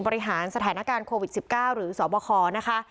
บริหารสถานการณ์โควิดสิบเก้าหรือสวบคอนะคะ